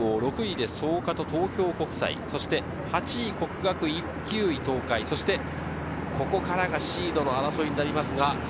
５位で中央、６位で創価と東京国際、８位國學院、９位東海、そしてここからがシードの争いになります。